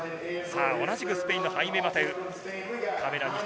同じくスペインのハイメ・マテウ。